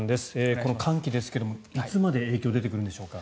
この寒気ですが、いつまで影響が出てくるんでしょうか。